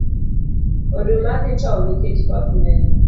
Oduma dhi tow nikech koth ngeny.